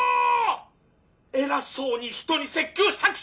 偉そうに人に説教したくせに！